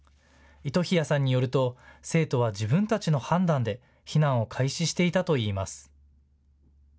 糸日谷さんによると生徒は自分たちの判断で避難を開始していたといいます。